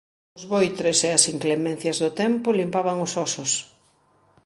Os voitres e as inclemencias do tempo limpaban os ósos.